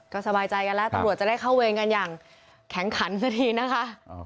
ก็สบายใจกันแล้วตำรวจจะได้เข้าเวรกันอย่างแข็งขันสักทีนะคะ